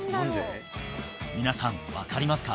皆さん分かりますか？